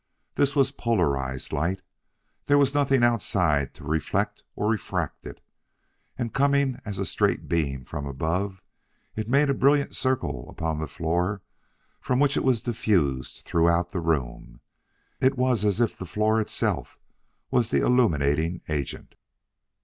This was polarized light there was nothing outside to reflect or refract it and, coming as a straight beam from above, it made a brilliant circle upon the floor from which it was diffused throughout the room. It was as if the floor itself was the illuminating agent.